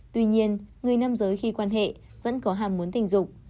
tuy nhiên người nam giới khi quan hệ vẫn có hàm muốn tình dục